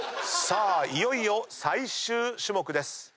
さあいよいよ最終種目です。